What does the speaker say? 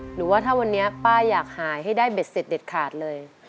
หรือว่าถ้าวันนี้ป้าอยากหายให้ได้เบ็ดเสร็จเด็ดขาดเลย